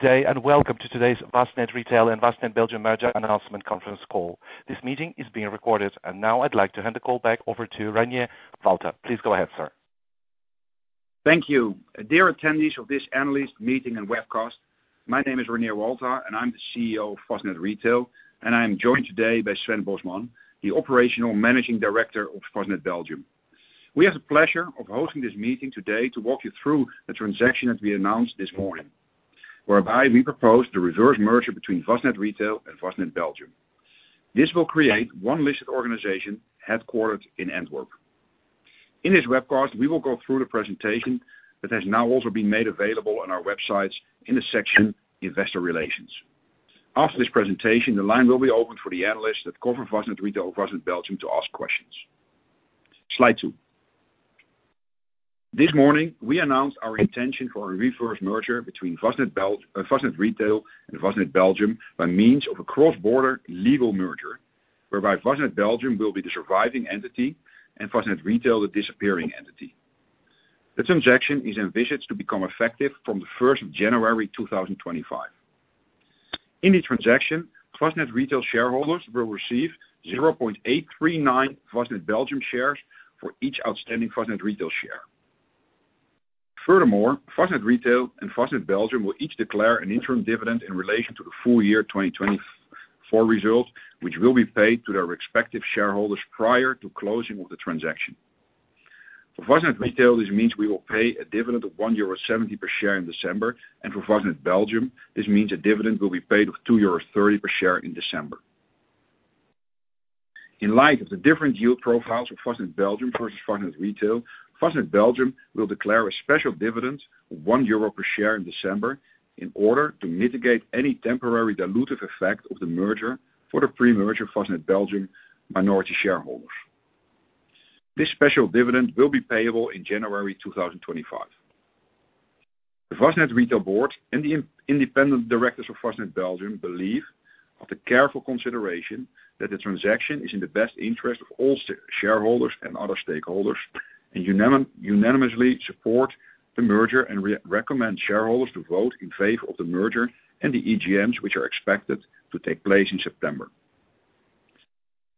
Good day, and welcome to today's Vastned Retail and Vastned Belgium Merger Announcement Conference Call. This meeting is being recorded, and now I'd like to hand the call back over to Reinier Walta. Please go ahead, sir. Thank you. Dear attendees of this analyst meeting and webcast, my name is Reinier Walta, and I'm the CEO of Vastned Retail, and I'm joined today by Sven Bosman, the Operational Managing Director of Vastned Belgium. We have the pleasure of hosting this meeting today to walk you through the transaction that we announced this morning, whereby we propose to reverse merger between Vastned Retail and Vastned Belgium. This will create one listed organization, headquartered in Antwerp. In this webcast, we will go through the presentation that has now also been made available on our websites in the section, Investor Relations. After this presentation, the line will be open for the analysts that cover Vastned Retail or Vastned Belgium to ask questions. Slide two. This morning, we announced our intention for a reverse merger between Vastned Retail and Vastned Belgium, by means of a cross-border legal merger, whereby Vastned Belgium will be the surviving entity and Vastned Retail, the disappearing entity. The transaction is envisioned to become effective from the first of January 2025. In the transaction, Vastned Retail shareholders will receive 0.839 Vastned Belgium shares for each outstanding Vastned Retail share. Furthermore, Vastned Retail and Vastned Belgium will each declare an interim dividend in relation to the full year 2024 results, which will be paid to their respective shareholders prior to closing of the transaction. For Vastned Retail, this means we will pay a dividend of 1.70 euro per share in December, and for Vastned Belgium, this means a dividend will be paid of 2.30 euro per share in December. In light of the different yield profiles for Vastned Belgium versus Vastned Retail, Vastned Belgium will declare a special dividend of 1 euro per share in December, in order to mitigate any temporary dilutive effect of the merger for the pre-merger Vastned Belgium minority shareholders. This special dividend will be payable in January 2025. The Vastned Retail board and the independent directors of Vastned Belgium believe, after careful consideration, that the transaction is in the best interest of all shareholders and other stakeholders, and unanimously support the merger and recommend shareholders to vote in favor of the merger and the EGMs, which are expected to take place in September.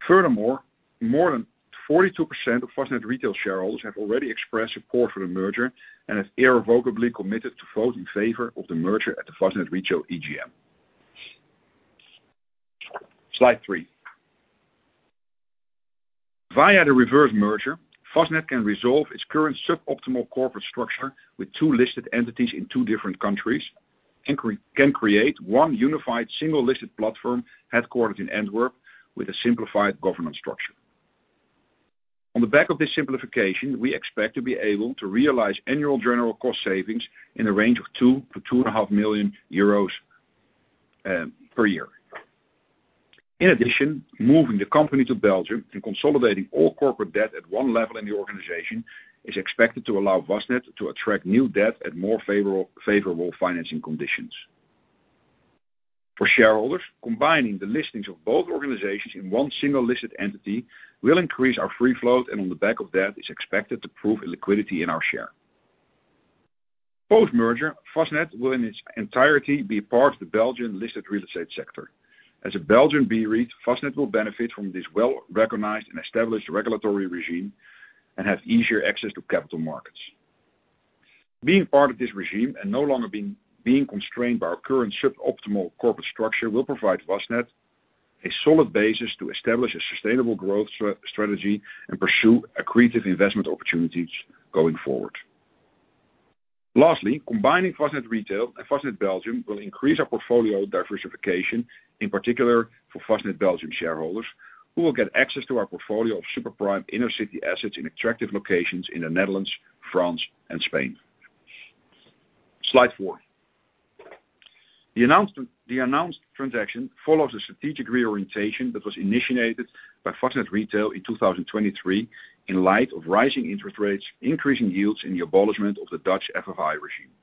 Furthermore, more than 42% of Vastned Retail shareholders have already expressed support for the merger and have irrevocably committed to vote in favor of the merger at the Vastned Retail EGM. Slide 3. Via the reverse merger, Vastned can resolve its current suboptimal corporate structure with 2 listed entities in 2 different countries, and can create one unified, single listed platform, headquartered in Antwerp, with a simplified governance structure. On the back of this simplification, we expect to be able to realize annual general cost savings in a range of 2 million-2.5 million euros per year. In addition, moving the company to Belgium and consolidating all corporate debt at one level in the organization is expected to allow Vastned to attract new debt at more favorable, favorable financing conditions. For shareholders, combining the listings of both organizations in one single listed entity will increase our free float, and on the back of that, is expected to prove liquidity in our share. Post-merger, Vastned will, in its entirety, be part of the Belgian-listed real estate sector. As a Belgian B-REIT, Vastned will benefit from this well-recognized and established regulatory regime and have easier access to capital markets. Being part of this regime and no longer being constrained by our current suboptimal corporate structure, will provide Vastned a solid basis to establish a sustainable growth strategy and pursue accretive investment opportunities going forward. Lastly, combining Vastned Retail and Vastned Belgium will increase our portfolio diversification, in particular for Vastned Belgium shareholders, who will get access to our portfolio of super prime inner city assets in attractive locations in the Netherlands, France, and Spain. Slide four. The announced transaction follows a strategic reorientation that was initiated by Vastned Retail in 2023, in light of rising interest rates, increasing yields, and the abolishment of the Dutch FBI regime.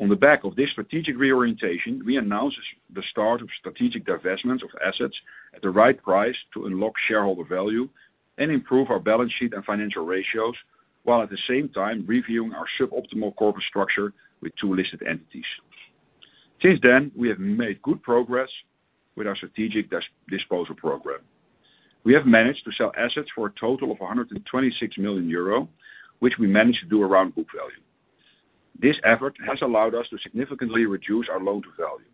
On the back of this strategic reorientation, we announced the start of strategic divestments of assets at the right price to unlock shareholder value and improve our balance sheet and financial ratios, while at the same time reviewing our suboptimal corporate structure with two listed entities. Since then, we have made good progress with our strategic disposal program. We have managed to sell assets for a total of 126 million euro, which we managed to do around book value. This effort has allowed us to significantly reduce our loan to value.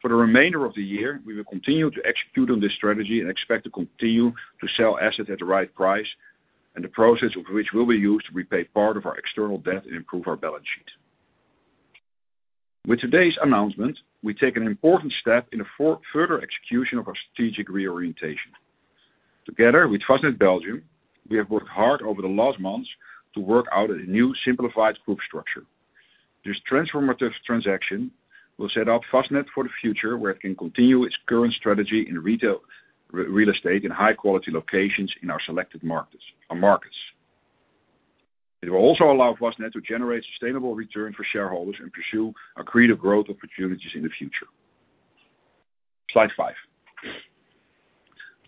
For the remainder of the year, we will continue to execute on this strategy and expect to continue to sell assets at the right price, and the proceeds of which will be used to repay part of our external debt and improve our balance sheet. With today's announcement, we take an important step in the further execution of our strategic reorientation. Together with Vastned Belgium, we have worked hard over the last months to work out a new simplified group structure. This transformative transaction will set up Vastned for the future, where it can continue its current strategy in retail real estate in high-quality locations in our selected markets. It will also allow Vastned to generate sustainable return for shareholders and pursue accretive growth opportunities in the future. Slide five.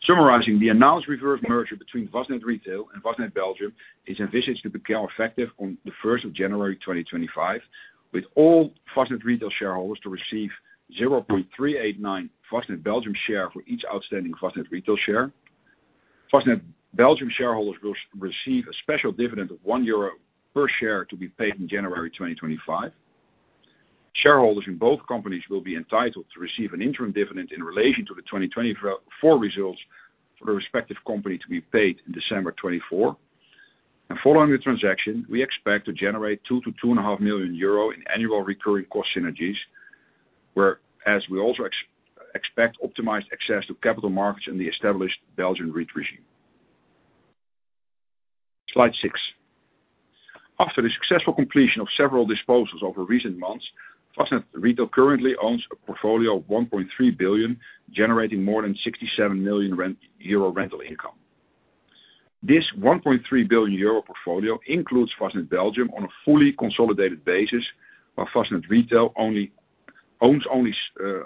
Summarizing, the announced reverse merger between Vastned Retail and Vastned Belgium is envisaged to become effective on the 1st of January, 2025, with all Vastned Retail shareholders to receive 0.389 Vastned Belgium share for each outstanding Vastned Retail share. Vastned Belgium shareholders will receive a special dividend of 1 euro per share to be paid in January 2025. Shareholders in both companies will be entitled to receive an interim dividend in relation to the 2024 results for the respective company to be paid in December 2024. And following the transaction, we expect to generate 2 million-2.5 million euro in annual recurring cost synergies, whereas we also expect optimized access to capital markets in the established Belgian REIT regime. Slide six. After the successful completion of several disposals over recent months, Vastned Retail currently owns a portfolio of 1.3 billion, generating more than 67 million euro in rental income. This 1.3 billion euro portfolio includes Vastned Belgium on a fully consolidated basis, while Vastned Retail only owns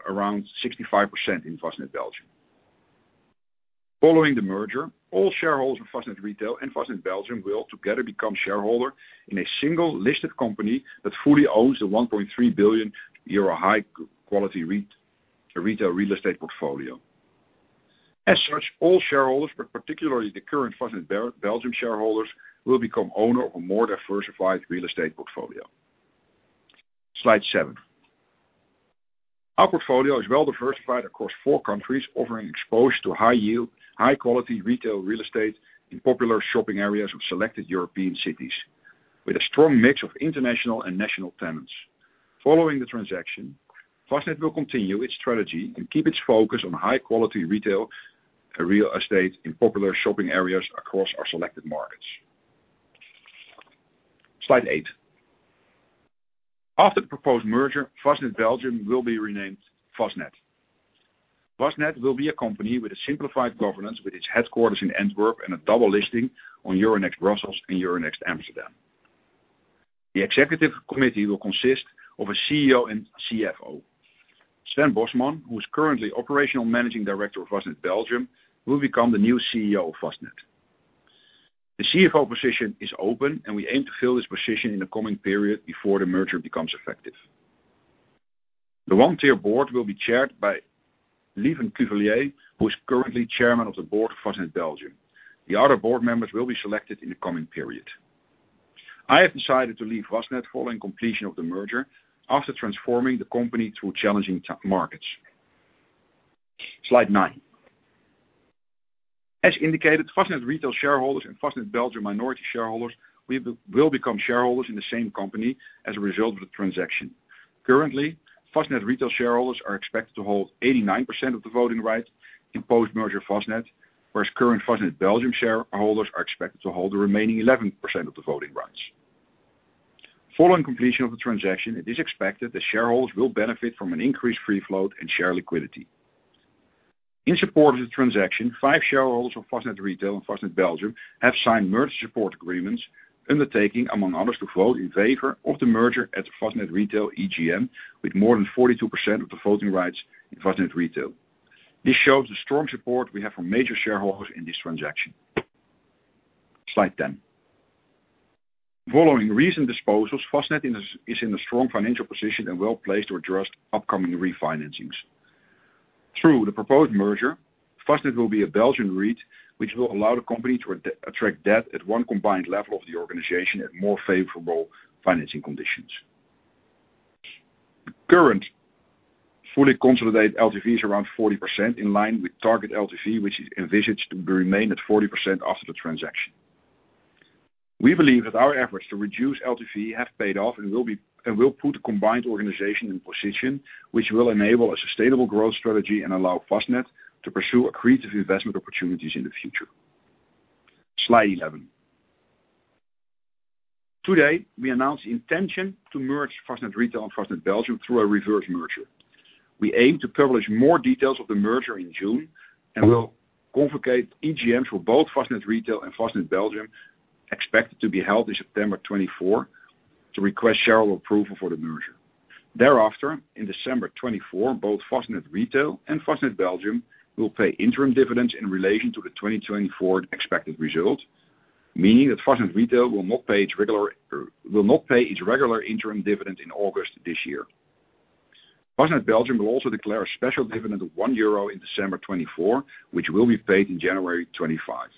around 65% in Vastned Belgium. Following the merger, all shareholders in Vastned Retail and Vastned Belgium will together become shareholder in a single listed company that fully owns the 1.3 billion euro high quality REIT, retail real estate portfolio. As such, all shareholders, but particularly the current Vastned Belgium shareholders, will become owner of more diversified real estate portfolio. Slide seven. Our portfolio is well diversified across four countries, offering exposure to high yield, high quality retail real estate in popular shopping areas of selected European cities, with a strong mix of international and national tenants. Following the transaction, Vastned will continue its strategy and keep its focus on high quality retail real estate in popular shopping areas across our selected markets. Slide eight. After the proposed merger, Vastned Belgium will be renamed Vastned. Vastned will be a company with a simplified governance, with its headquarters in Antwerp and a double listing on Euronext Brussels and Euronext Amsterdam. The executive committee will consist of a CEO and CFO. Sven Bosman, who is currently Operational Managing Director of Vastned Belgium, will become the new CEO of Vastned. The CFO position is open, and we aim to fill this position in the coming period before the merger becomes effective. The one-tier board will be chaired by Lieven Cuvelier, who is currently Chairman of the Board of Vastned Belgium. The other board members will be selected in the coming period. I have decided to leave Vastned following completion of the merger after transforming the company through challenging markets. Slide 9. As indicated, Vastned Retail shareholders and Vastned Belgium minority shareholders, we, will become shareholders in the same company as a result of the transaction. Currently, Vastned Retail shareholders are expected to hold 89% of the voting rights in post-merger Vastned, whereas current Vastned Belgium shareholders are expected to hold the remaining 11% of the voting rights. Following completion of the transaction, it is expected that shareholders will benefit from an increased free float and share liquidity. In support of the transaction, five shareholders of Vastned Retail and Vastned Belgium have signed merger support agreements, undertaking, among others, to vote in favor of the merger at the Vastned Retail EGM, with more than 42% of the voting rights in Vastned Retail. This shows the strong support we have from major shareholders in this transaction. Slide 10. Following recent disposals, Vastned is in a strong financial position and well placed to address upcoming refinancings. Through the proposed merger, Vastned will be a Belgian REIT, which will allow the company to attract debt at one combined level of the organization at more favorable financing conditions. Current fully consolidated LTV is around 40%, in line with target LTV, which is envisaged to remain at 40% after the transaction. We believe that our efforts to reduce LTV have paid off and will be, and will put the combined organization in position, which will enable a sustainable growth strategy and allow Vastned to pursue accretive investment opportunities in the future. Slide 11. Today, we announce the intention to merge Vastned Retail and Vastned Belgium through a reverse merger. We aim to publish more details of the merger in June, and will convocate EGMs for both Vastned Retail and Vastned Belgium, expected to be held in September 2024, to request shareholder approval for the merger. Thereafter, in December 2024, both Vastned Retail and Vastned Belgium will pay interim dividends in relation to the 2024 expected results, meaning that Vastned Retail will not pay its regular interim dividend in August this year. Vastned Belgium will also declare a special dividend of 1 euro in December 2024, which will be paid in January 2025.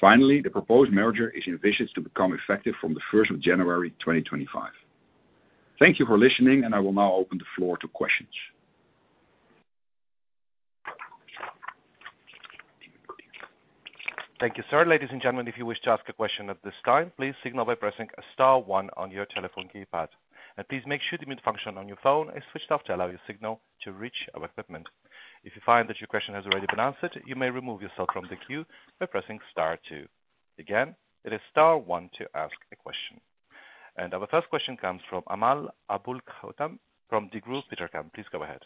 Finally, the proposed merger is envisioned to become effective from the 1st of January 2025. Thank you for listening, and I will now open the floor to questions. Thank you, sir. Ladies and gentlemen, if you wish to ask a question at this time, please signal by pressing star one on your telephone keypad. And please make sure the mute function on your phone is switched off to allow your signal to reach our equipment. If you find that your question has already been answered, you may remove yourself from the queue by pressing star two. Again, it is star one to ask a question. And our first question comes from Amal Aboulkhouatem, from Degroof Petercam. Please go ahead.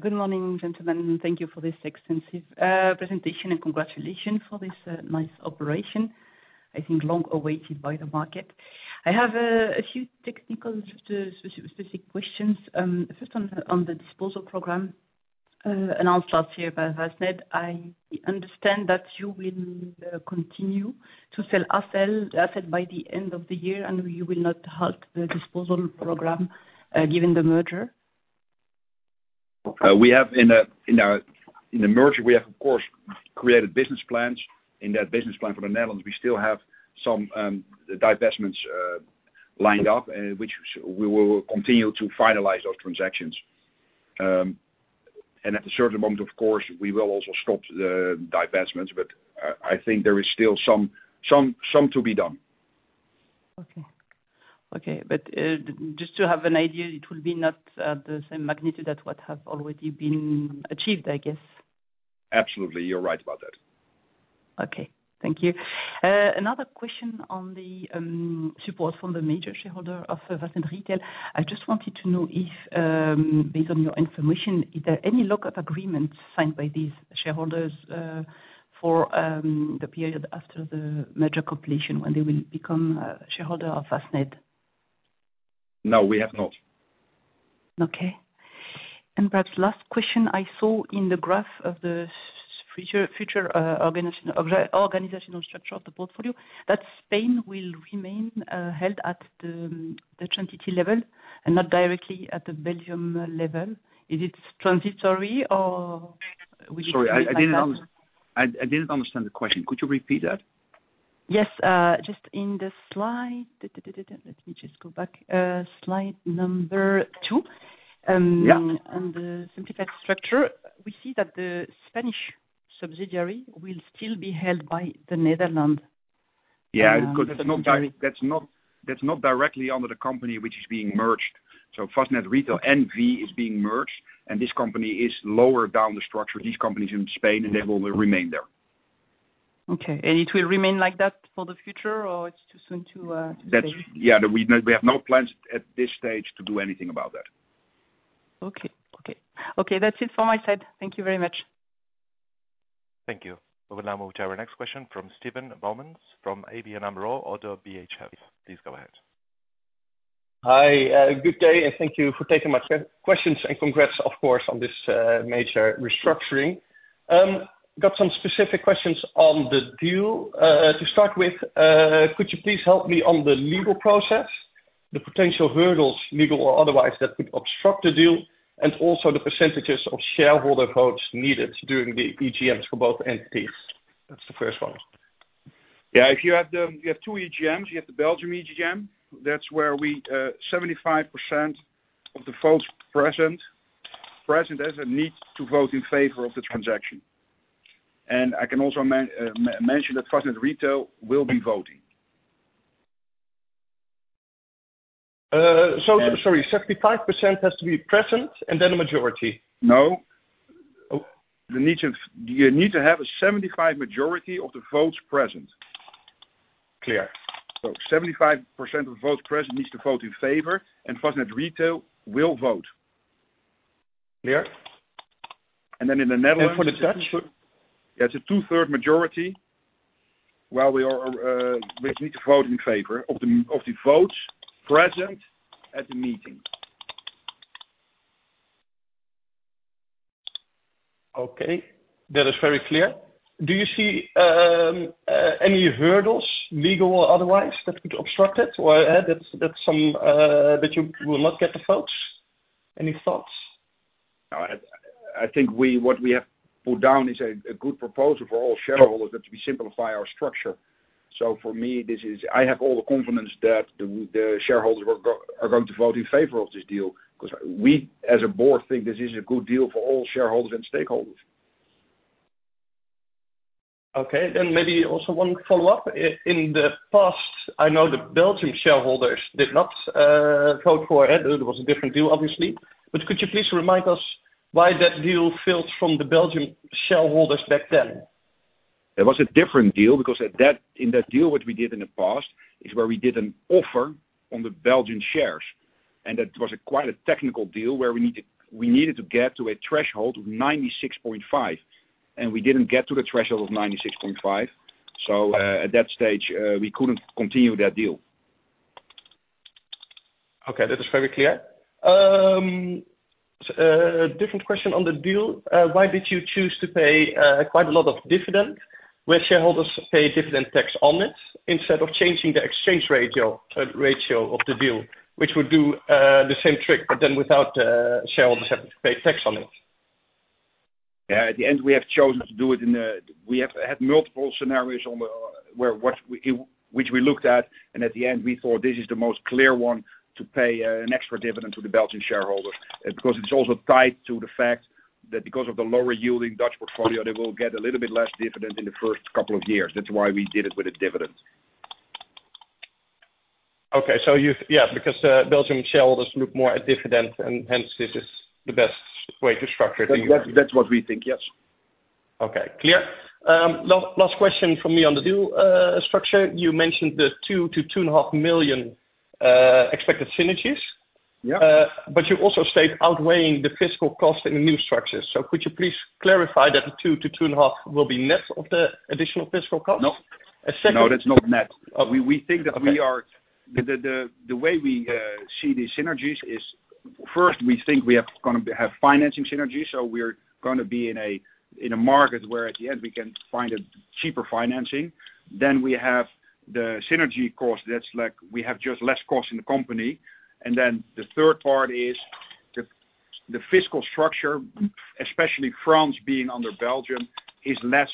Good morning, gentlemen. Thank you for this extensive presentation, and congratulations for this nice operation. I think, long awaited by the market. I have a few technical specific questions. First on the disposal program announced last year by Vastned. I understand that you will continue to sell assets by the end of the year, and you will not halt the disposal program given the merger? We have, in our merger, of course, created business plans. In that business plan for the Netherlands, we still have some divestments lined up, which we will continue to finalize those transactions. And at a certain moment, of course, we will also stop the divestments, but I think there is still some to be done. Okay. Okay, but just to have an idea, it will be not the same magnitude as what have already been achieved, I guess? Absolutely. You're right about that. Okay. Thank you. Another question on the support from the major shareholder of Vastned Retail. I just wanted to know if, based on your information, is there any lock-up agreements signed by these shareholders, for the period after the merger completion, when they will become shareholder of Vastned? No, we have not. Okay. Perhaps last question, I saw in the graph of the future organizational structure of the portfolio, that Spain will remain held at the entity level and not directly at the Belgium level. Is it transitory or will it- Sorry, I didn't understand the question. Could you repeat that? Yes. Just in the slide. Let me just go back. Slide number two. Yeah. On the simplified structure, we see that the Spanish subsidiary will still be held by the Netherlands. Yeah, because that's not directly under the company which is being merged. So Vastned Retail N.V. is being merged, and this company is lower down the structure. These companies in Spain, and they will remain there. Okay. And it will remain like that for the future, or it's too soon to say? Yeah, we have no plans at this stage to do anything about that. Okay. Okay. Okay, that's it for my side. Thank you very much. Thank you. We will now move to our next question from Steven Boumans, from ABN AMRO- ODDO BHF. Please go ahead. Hi, good day, and thank you for taking my questions. Congrats, of course, on this major restructuring. Got some specific questions on the deal. To start with, could you please help me on the legal process, the potential hurdles, legal or otherwise, that could obstruct the deal, and also the percentages of shareholder votes needed during the EGMs for both entities? That's the first one. Yeah, if you have, you have two EGMs. You have the Belgian EGM, that's where we, 75% of the votes present, there's a need to vote in favor of the transaction. And I can also mention that Vastned Retail will be voting. So sorry, 75% has to be present, and then the majority? No. Oh. You need to have a 75% majority of the votes present. Clear. So 75% of the votes present needs to vote in favor, and Vastned Retail will vote. Clear. And then in the Netherlands- And for the Dutch? Yeah, it's a 2/3 majority, while we are, which need to vote in favor of the votes present at the meeting. Okay, that is very clear. Do you see any hurdles, legal or otherwise, that could obstruct it, or that you will not get the votes? Any thoughts? No, I think what we have put down is a good proposal for all shareholders- Sure. that we simplify our structure. So for me, this is... I have all the confidence that the shareholders are going to vote in favor of this deal, 'cause we, as a board, think this is a good deal for all shareholders and stakeholders. Okay, then maybe also one follow-up. In the past, I know the Belgian shareholders did not vote for it. It was a different deal, obviously, but could you please remind us why that deal failed from the Belgian shareholders back then? It was a different deal because at that, in that deal, what we did in the past, is where we did an offer on the Belgian shares. And that was quite a technical deal where we needed to get to a threshold of 96.5, and we didn't get to the threshold of 96.5. So, at that stage, we couldn't continue that deal. Okay, that is very clear. Different question on the deal. Why did you choose to pay quite a lot of dividend, where shareholders pay dividend tax on it, instead of changing the exchange ratio, ratio of the deal, which would do the same trick, but then without shareholders having to pay tax on it? Yeah, at the end, we have chosen to do it in the... We have had multiple scenarios on the, where, what, which we looked at, and at the end, we thought this is the most clear one, to pay an extra dividend to the Belgian shareholder. Because it's also tied to the fact that because of the lower yielding Dutch portfolio, they will get a little bit less dividend in the first couple of years. That's why we did it with a dividend. Okay, so you've... Yeah, because Belgian shareholders look more at dividend, and hence, this is the best way to structure the deal. That's, that's what we think, yes. Okay, clear. Last question from me on the deal structure. You mentioned the 2 million-2.5 million expected synergies, but you also state outweighing the fiscal cost in the new structure. So could you please clarify that the 2 million-2.5 million will be net of the additional fiscal cost? No. And second- No, that's not net. We think that we are- Okay. The way we see these synergies is, first, we think we have gonna be have financing synergies, so we're gonna be in a market where at the end we can find a cheaper financing. Then we have the synergy cost, that's like we have just less cost in the company. And then the third part is the fiscal structure, especially France being under Belgium, is less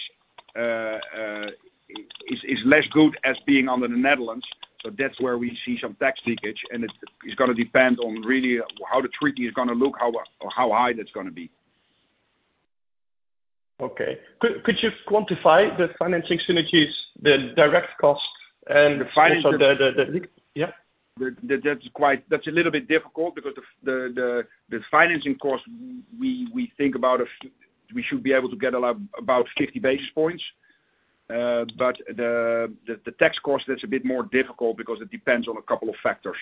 good as being under the Netherlands, so that's where we see some tax leakage, and it's gonna depend on really how the treaty is gonna look, or how high that's gonna be. Okay. Could you quantify the financing synergies, the direct costs, and- The financing- Yeah. That's quite a little bit difficult because the financing cost, we think we should be able to get a lot about 50 basis points. But the tax cost, that's a bit more difficult because it depends on a couple of factors.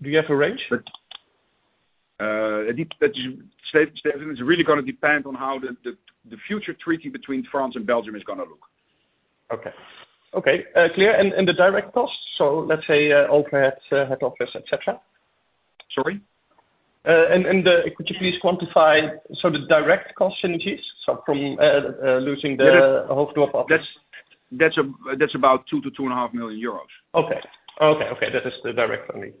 Do you have a range? But, that's... It's really gonna depend on how the future treaty between France and Belgium is gonna look. Okay. Okay, clear, and, and the direct costs, so let's say, overhead, head office, et cetera? Sorry? Could you please quantify so the direct cost synergies, so from, losing the- Yes... office? That's about 2 million-2.5 million euros. Okay. Okay, okay, that is the direct for me.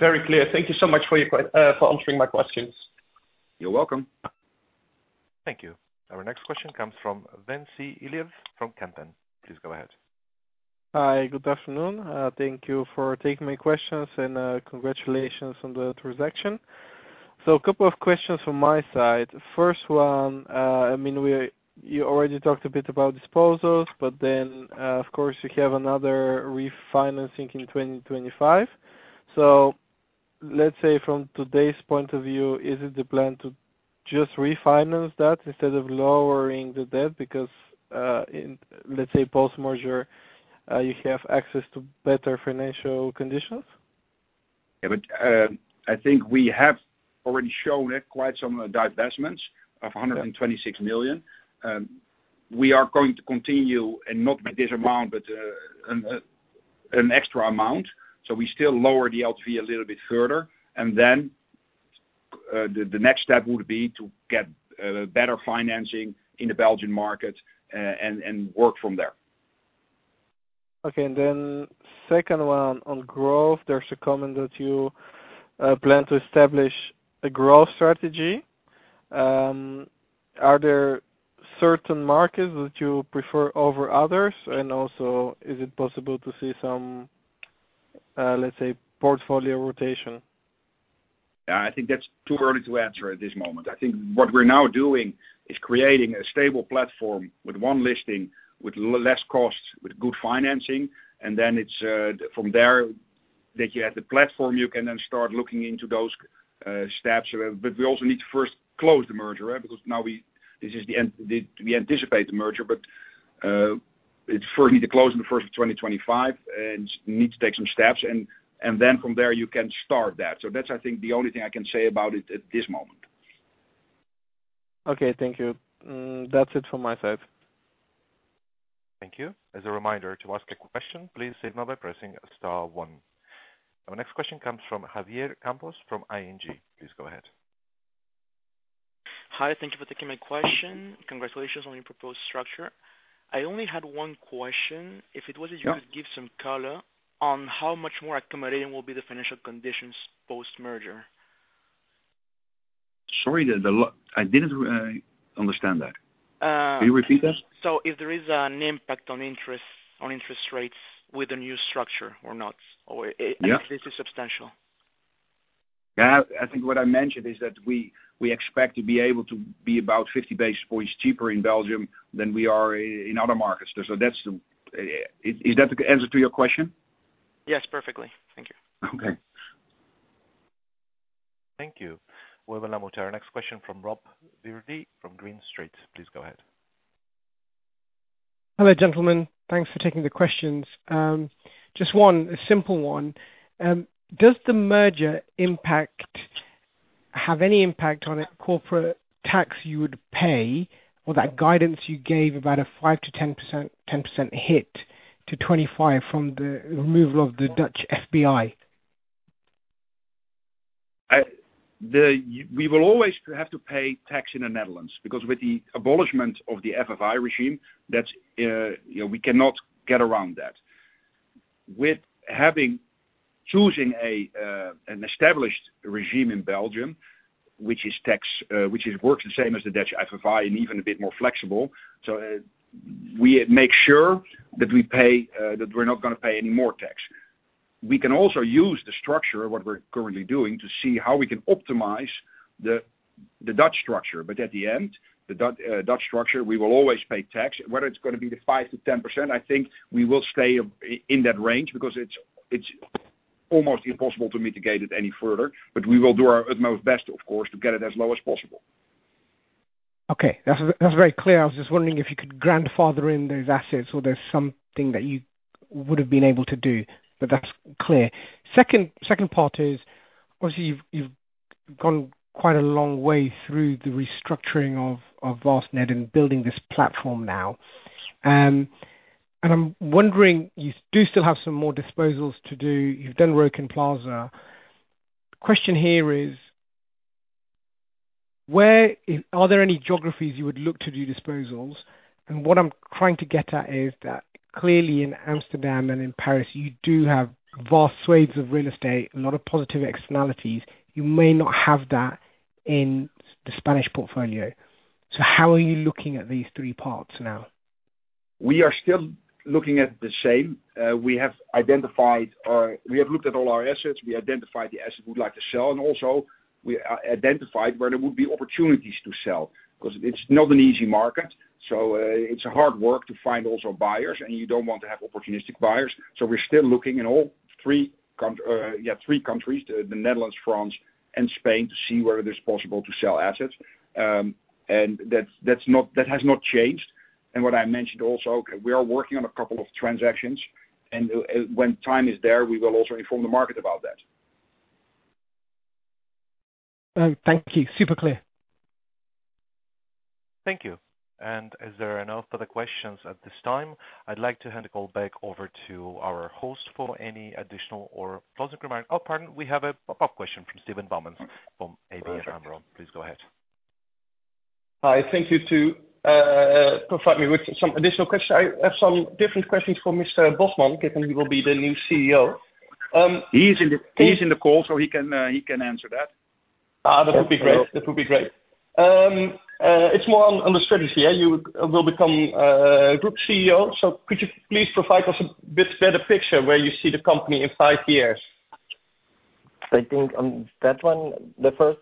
Very clear. Thank you so much for answering my questions. You're welcome. Thank you. Our next question comes from Ventsi Iliev from Kempen. Please go ahead. Hi, good afternoon. Thank you for taking my questions, and congratulations on the transaction. So a couple of questions from my side. First one, I mean, you already talked a bit about disposals, but then, of course, you have another refinancing in 2025. So let's say from today's point of view, is it the plan to just refinance that instead of lowering the debt? Because in, let's say, post-merger, you have access to better financial conditions. Yeah, but I think we have already shown it, quite some divestments of 126 million. We are going to continue, and not by this amount, but an extra amount. So we still lower the LTV a little bit further, and then the next step would be to get better financing in the Belgian market, and work from there. Okay, and then second one on growth. There's a comment that you plan to establish a growth strategy. Are there certain markets that you prefer over others? And also, is it possible to see some, let's say, portfolio rotation? Yeah, I think that's too early to answer at this moment. I think what we're now doing is creating a stable platform with one listing, with less costs, with good financing, and then it's from there that you have the platform, you can then start looking into those steps. But we also need to first close the merger, right? Because now we... This is the end, the... We anticipate the merger, but it first need to close in the first of 2025 and need to take some steps and, and then from there, you can start that. So that's, I think, the only thing I can say about it at this moment. Okay, thank you. That's it from my side. Thank you. As a reminder, to ask a question, please signal by pressing star one. Our next question comes from Javier Campos from ING. Please go ahead. Hi, thank you for taking my question. Congratulations on your proposed structure. I only had one question. Yeah. If it was, you could give some color on how much more accommodating will be the financial conditions post-merger? Sorry, I didn't understand that. Can you repeat that? So if there is an impact on interest, on interest rates with the new structure or not, or- Yeah... if this is substantial. Yeah, I think what I mentioned is that we expect to be able to be about 50 basis points cheaper in Belgium than we are in other markets. So that's the... Is that the answer to your question? Yes, perfectly. Thank you. Okay. Thank you. Welcome, Lamota. Our next question from Rob Virdee from Green Street. Please go ahead. Hello, gentlemen. Thanks for taking the questions. Just one, a simple one. Does the merger impact, have any impact on a corporate tax you would pay, or that guidance you gave about a 5%-10%, 10% hit to 25 from the removal of the Dutch FBI? The... We will always have to pay tax in the Netherlands, because with the abolishment of the FBI regime, that's, you know, we cannot get around that. With having, choosing a, an established regime in Belgium, which is tax, which it works the same as the Dutch FBI and even a bit more flexible. So, we make sure that we pay, that we're not gonna pay any more tax. We can also use the structure of what we're currently doing to see how we can optimize the, the Dutch structure. But at the end, the Dutch structure, we will always pay tax, whether it's gonna be the 5%-10%, I think we will stay in that range, because it's almost impossible to mitigate it any further, but we will do our utmost best, of course, to get it as low as possible. Okay, that's, that's very clear. I was just wondering if you could grandfather in those assets or there's something that you would have been able to do, but that's clear. Second, second part is, obviously, you've, you've gone quite a long way through the restructuring of, of Vastned and building this platform now. And I'm wondering, you do still have some more disposals to do. You've done Rokin Plaza. Question here is, where is-- are there any geographies you would look to do disposals? And what I'm trying to get at is that clearly in Amsterdam and in Paris, you do have vast swathes of real estate, a lot of positive externalities. You may not have that in the Spanish portfolio. So how are you looking at these three parts now? We are still looking at the same. We have identified, or we have looked at all our assets, we identified the assets we'd like to sell, and also we identified where there would be opportunities to sell. 'Cause it's not an easy market, so it's a hard work to find also buyers, and you don't want to have opportunistic buyers. So we're still looking in all three countries, the Netherlands, France, and Spain, to see whether it's possible to sell assets. And that's, that's not- that has not changed. And what I mentioned also, we are working on a couple of transactions, and when time is there, we will also inform the market about that. Thank you. Super clear. Thank you. And is there enough for the questions at this time? I'd like to hand the call back over to our host for any additional or closing remark. Oh, pardon, we have a pop-up question from Steven Boumans from ABN AMRO. Please go ahead. Hi, thank you to provide me with some additional questions. I have some different questions for Mr. Bosman, given he will be the new CEO. He's in the call, so he can answer that. Ah, that would be great. That would be great. It's more on the strategy. Yeah, you will become group CEO, so could you please provide us a bit better picture where you see the company in five years? I think on that one, the first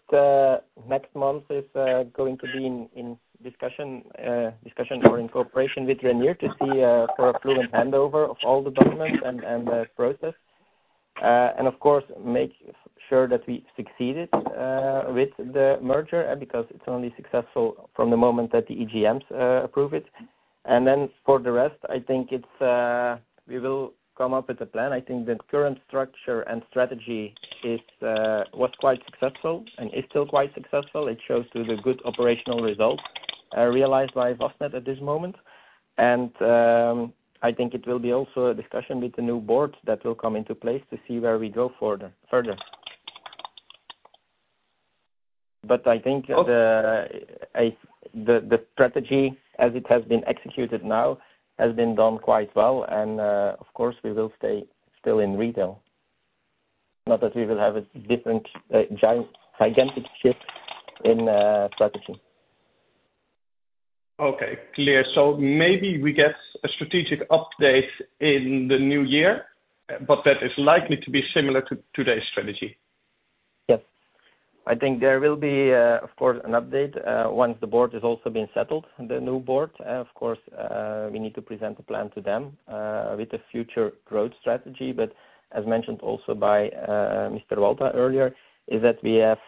next month is going to be in discussion or in cooperation with Reinier to see for a fluent handover of all the documents and the process. And of course, make sure that we succeeded with the merger, because it's only successful from the moment that the EGMs approve it. And then for the rest, I think it's we will come up with a plan. I think the current structure and strategy is was quite successful and is still quite successful. It shows through the good operational results realized by Vastned at this moment. And I think it will be also a discussion with the new board that will come into place to see where we go further. But I think the strategy as it has been executed now has been done quite well, and of course, we will stay still in retail. Not that we will have a different giant, gigantic shift in strategy. Okay, clear. So maybe we get a strategic update in the new year, but that is likely to be similar to today's strategy? Yes. I think there will be, of course, an update, once the board has also been settled, the new board. Of course, we need to present a plan to them, with the future growth strategy, but as mentioned also by, Mr. Walta earlier, is that we have,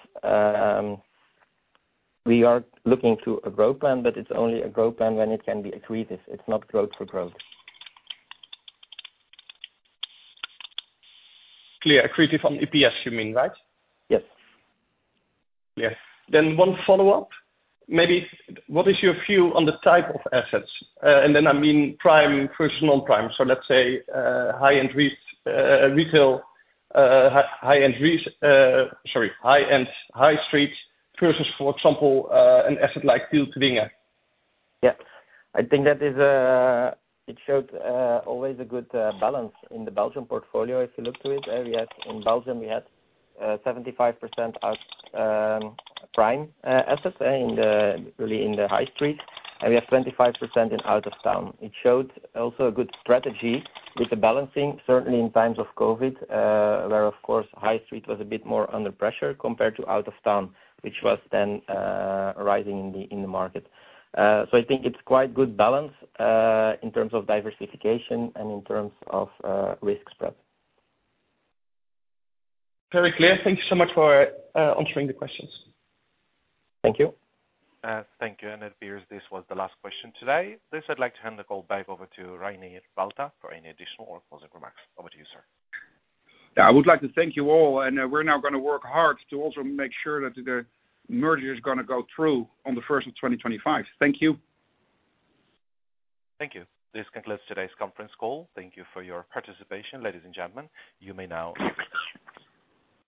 we are looking to a growth plan, but it's only a growth plan when it can be accretive. It's not growth for growth. Clear. Accretive on EPS, you mean, right? Yes. Yes. Then one follow-up. Maybe what is your view on the type of assets? And then, I mean, prime versus non-prime. So let's say, high-end retail high street versus, for example, an asset like Poperinge. Yeah. I think that is, it showed, always a good, balance in the Belgium portfolio. If you look to it, we had in Belgium, we had, 75%, prime, assets, in the, really in the high street, and we have 25% in out of town. It showed also a good strategy with the balancing, certainly in times of COVID, where of course, high street was a bit more under pressure compared to out of town, which was then, rising in the, in the market. So I think it's quite good balance, in terms of diversification and in terms of, risk spread. Very clear. Thank you so much for answering the questions. Thank you. Thank you. It appears this was the last question today. This, I'd like to hand the call back over to Reinier Walta for any additional or closing remarks. Over to you, sir. I would like to thank you all, and, we're now gonna work hard to also make sure that the merger is gonna go through on the first of 2025. Thank you. Thank you. This concludes today's conference call. Thank you for your participation, ladies and gentlemen. You may now-